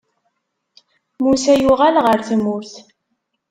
Musa yuɣal ɣer tmurt.